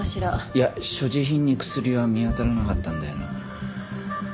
いや所持品に薬は見当たらなかったんだよな。